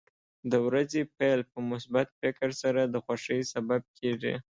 د ورځې پیل په مثبت فکر سره د خوښۍ سبب کېږي.